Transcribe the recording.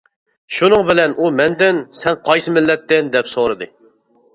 شۇنىڭ بىلەن ئۇ مەندىن: «سەن قايسى مىللەتتىن؟ » دەپ سورىدى.